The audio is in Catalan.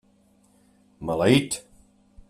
Maleït!